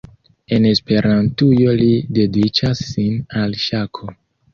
En Esperantujo li dediĉas sin al ŝako.